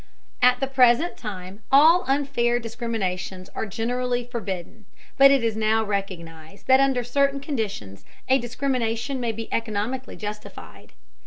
At the present time all unfair discriminations are generally forbidden. But it is now recognized that under certain conditions a discrimination may be economically justified.